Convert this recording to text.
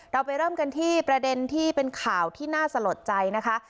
เราไปเริ่มกันที่ประเด็นที่เป็นข่าวที่น่าสลดใจนะคะ